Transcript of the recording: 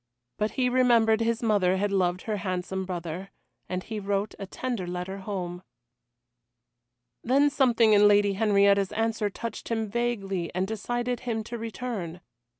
But he remembered his mother had loved her handsome brother, and he wrote a tender letter home. Then something in the Lady Henrietta's answer touched him vaguely and decided him to return.